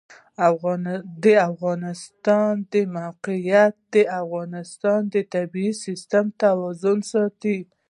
د افغانستان د موقعیت د افغانستان د طبعي سیسټم توازن ساتي.